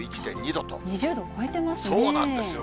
２０度を超えてますね。